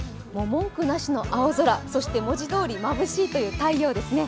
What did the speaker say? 文句なしの青空文字通りまぶしいという太陽ですね。